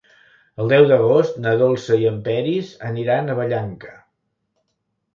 El deu d'agost na Dolça i en Peris aniran a Vallanca.